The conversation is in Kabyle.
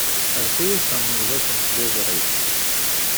Rret-iyi-d tamenzaḍt n tliẓri.